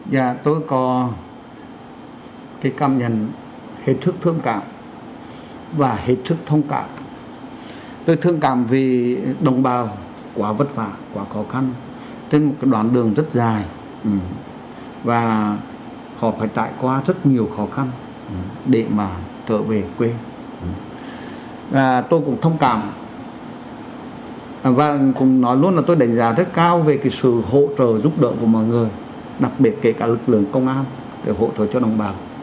và tôi nghĩ rằng có lẽ phần nào thì do lo lắng về công an việc làm đời sống